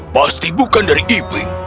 pasti bukan dari ipling